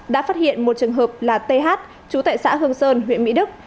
đã phát hiện một trường hợp là th chú tại xã hương sơn huyện mỹ đức